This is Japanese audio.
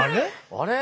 あれ？